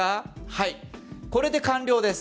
はい、これで完了です。